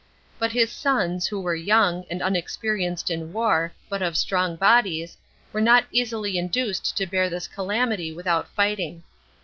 But his sons, who were young, and unexperienced in war, but of strong bodies, were not easily induced to bear this calamity without fighting.